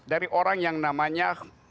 dari orang yang namanya